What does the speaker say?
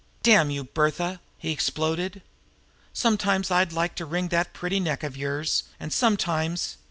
"Damn you, Bertha!" he exploded. "Sometimes I'd like to wring that pretty neck of yours; and sometimes!"